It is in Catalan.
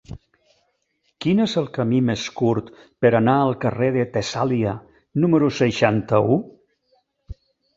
Quin és el camí més curt per anar al carrer de Tessàlia número seixanta-u?